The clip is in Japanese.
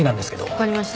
分かりました。